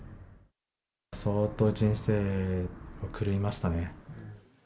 相当人生狂いましたね。